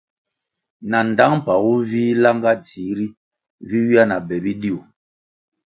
Na ndtang mpagu nvih langah dzihri vi ywia na be bidiu.